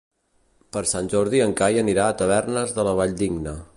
Per Sant Jordi en Cai anirà a Tavernes de la Valldigna.